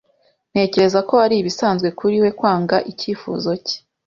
Ntekereza ko ari ibisanzwe kuri we kwanga icyifuzo cye.